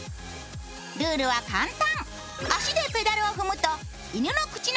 ルールは簡単。